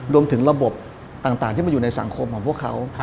รวมถึงระบบต่างที่มันอยู่ในสังคมของพวกเขา